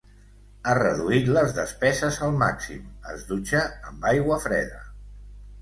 Ha reduït les despeses al màxim, es dutxa amb aigua freda.